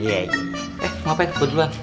eh ngapain gue duluan